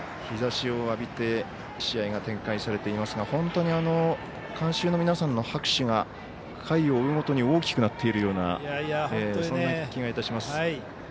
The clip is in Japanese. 日ざしを浴びて試合が展開されていますが本当に観衆の皆さんの拍手が回を追うごとに大きくなっているようなそんな気がいたします。